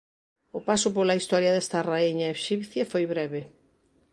O paso pola historia desta raíña exipcia foi breve.